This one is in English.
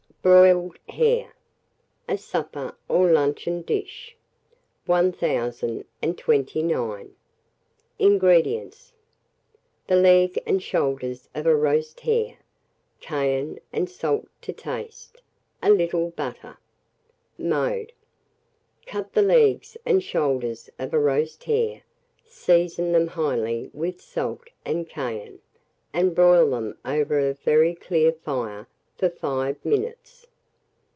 BROILED HARE (a Supper or Luncheon Dish). 1029. INGREDIENTS. The leg and shoulders of a roast hare, cayenne and salt to taste, a little butter. Mode. Cut the legs and shoulders of a roast hare, season them highly with salt and cayenne, and broil them over a very clear fire for 5 minutes.